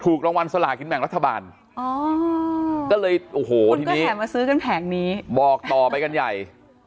ถูกรางวัลสลากกินแบ่งรัฐบาลก็เลยโอ้โหทีนี้บอกต่อไปกันใหญ่